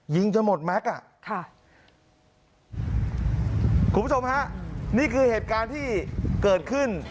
จะหมดแม็กซ์อ่ะค่ะคุณผู้ชมฮะนี่คือเหตุการณ์ที่เกิดขึ้น